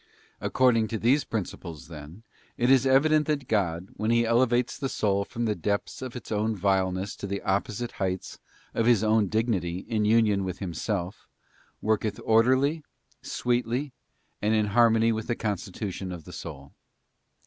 123 cording to these principles, then, it is evident that God, when He elevates the soul from the depths of its own vileness to the opposite heights of His own dignity in union with Himself, worketh orderly, sweetly, and in harmony with the constitution of the soul.